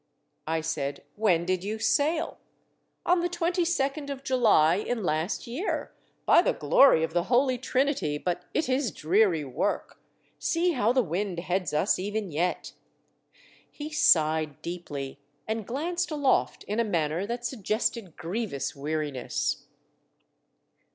I said, " When did you sail ?"" On the twenty second of July in last S6 THE DEATH SHIP. year! By the glory of the Holy Trinity, but it is dreary work ; see how the wind heads us even yet!" He sighed deeply and glanced aloft in a manner that suggested grievous weariness.